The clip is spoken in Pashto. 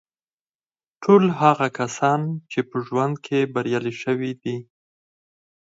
ټول هغه کسان چې په ژوند کې بریالي شوي دي